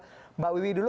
saya akan ke mbak wiwi dulu